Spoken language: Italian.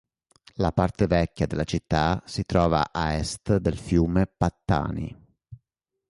La parte vecchia della città si trova a est del fiume Pattani.